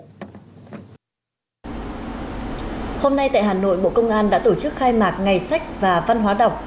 hôm nay tại hà nội bộ công an đã tổ chức khai mạc ngày sách và văn hóa đọc